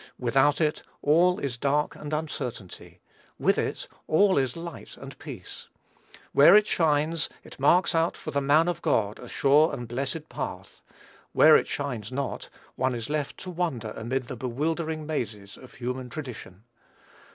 Without it, all is dark and uncertainty; with it, all is light and peace. Where it shines, it marks out for the man of God a sure and blessed path; where it shines not, one is left to wander amid the bewildering mazes of human tradition.